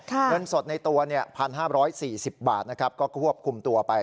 เงินสดในตัว๑๕๔๐บาทนะครับก็ควบคุมตัวไป